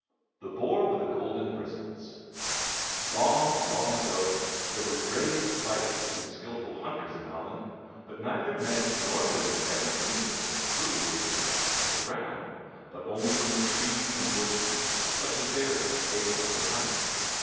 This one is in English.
THE BOAR WITH THE GOLDEN BRISTLES Long, long ago, there were brave fighters and skilful hunters in Holland, but neither men nor women ever dreamed that food was to be got out of the ground, but only from the trees and bushes, such as berries, acorns and honey.